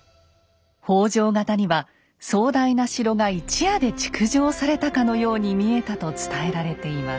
北条方には壮大な城が一夜で築城されたかのように見えたと伝えられています。